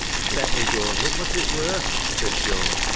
" Let me go and look what it wur," said Joan.